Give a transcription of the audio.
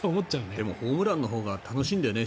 でもホームランのほうが楽しいんだよね。